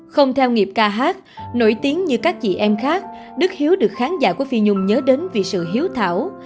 không theo nghiệp ca hát nổi tiếng như các chị em khác đức hiếu được khán giả của phi nhung nhớ đến vì sự hiếu thảo